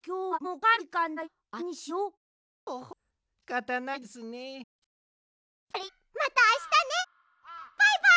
バイバイ。